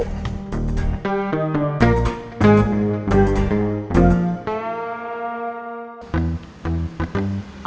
kalau inin yang nyari pasti ketemu